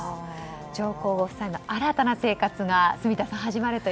上皇ご夫妻の新たな生活が住田さん